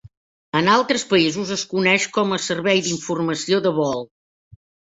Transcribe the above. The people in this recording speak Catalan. En altres països es coneix com a "Servei d'Informació de Vol".